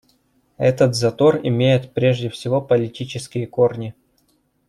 Этот затор имеет прежде всего политические корни.